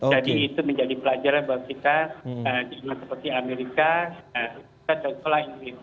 jadi itu menjadi pelajaran buat kita di rumah seperti amerika kita juga seolah olah inggris